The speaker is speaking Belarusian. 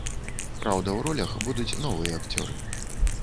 Праўда, у ролях будуць новыя акцёры.